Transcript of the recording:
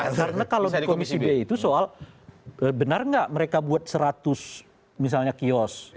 karena kalau di komisi b itu soal benar nggak mereka buat seratus misalnya kiosk